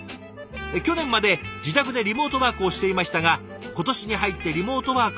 「去年まで自宅でリモートワークをしていましたが今年に入ってリモートワーク